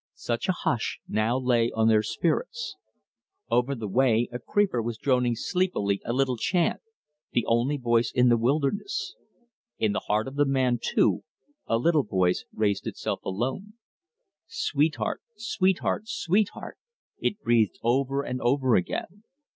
Such a hush now lay on their spirits. Over the way a creeper was droning sleepily a little chant, the only voice in the wilderness. In the heart of the man, too, a little voice raised itself alone. "Sweetheart, sweetheart, sweetheart!" it breathed over and over again.